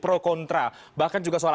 pro kontra bahkan juga soal